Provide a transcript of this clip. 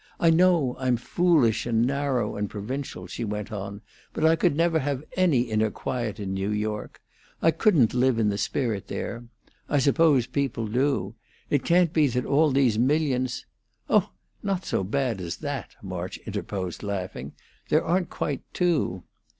I know I'm foolish and narrow and provincial," she went on, "but I could never have any inner quiet in New York; I couldn't live in the spirit there. I suppose people do. It can't be that all these millions ' "Oh, not so bad as that!" March interposed, laughing. "There aren't quite two."